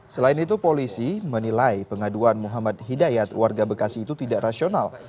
selain itu polisi menilai pengaduan muhammad hidayat warga bekasi itu tidak rasional